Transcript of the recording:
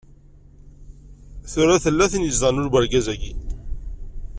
Tura tella tin izedɣen ul n urgaz-agi.